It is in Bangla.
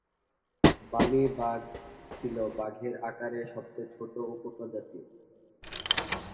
বালি বাঘ ছিল বাঘের আকারের সবচেয়ে ছোট উপপ্রজাতি।